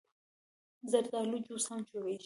زردالو جوس هم جوړېږي.